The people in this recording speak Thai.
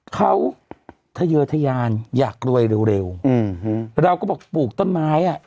เขาทะเยอทยานอยากรวยเร็วเร็วอืมเราก็บอกปลูกต้นไม้อ่ะ